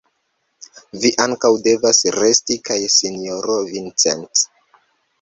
Vi ankaŭ devas resti, kaj sinjoro Vincent.